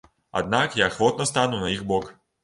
Аднак я ахвотна стану на іх бок!